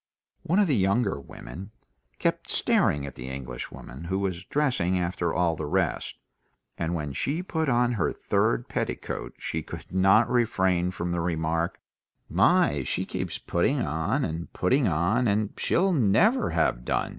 One of the younger women kept staring at the Englishwoman, who was dressing after all the rest, and when she put on her third petticoat she could not refrain from the remark, "My, she keeps putting on and putting on, and she'll never have done!"